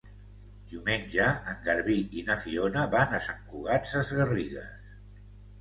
Diumenge en Garbí i na Fiona van a Sant Cugat Sesgarrigues.